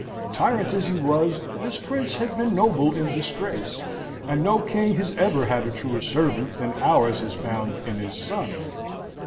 Tyrant as he was, this prince has been noble in disgrace; and no king has ever had a truer servant than ours has found in his son.